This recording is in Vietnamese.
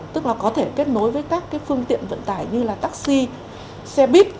tức là có thể kết nối với các phương tiện vận tải như là taxi xe buýt